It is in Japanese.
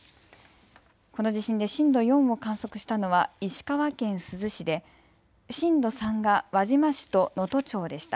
この地震で震度４を観測したのは石川県珠洲市で震度３が輪島市と能登町でした。